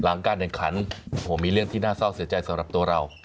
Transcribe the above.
หลังการเด่นขันมีเรื่องที่น่าเศร้าเสียใจสำหรับตัวเรา